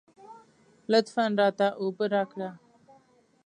لطفاً راته اوبه راکړه.